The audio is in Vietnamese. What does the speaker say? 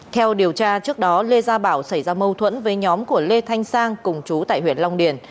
theo điều tra trước đó lê gia bảo xảy ra mâu thuẫn với nhóm của lê thanh sang cùng chú tại huyện long điền